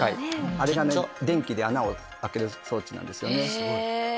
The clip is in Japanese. あれが電気で穴を開ける装置なんですよね。